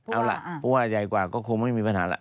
เอาล่ะผู้ว่าใหญ่กว่าก็คงไม่มีปัญหาแล้ว